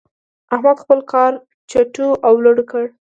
احمد خپل کار چټو او لړو کړ.